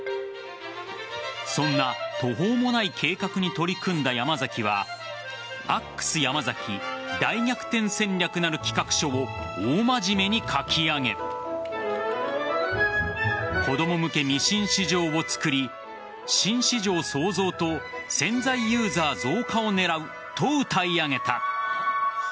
そんな途方もない計画に取り組んだ山崎はアックスヤマザキ大逆転戦略なる企画書を大真面目に書き上げ子供向けミシン市場をつくり新市場創造と潜在ユーザー増加を狙うとうたい上げた。